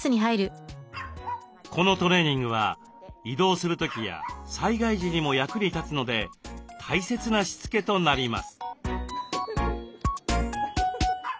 このトレーニングは移動する時や災害時にも役に立つので大切なしつけとなります。